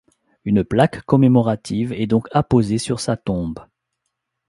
Une plaque commémorative est donc apposée sur sa tombe.